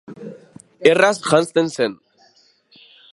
Erraz janzten zen.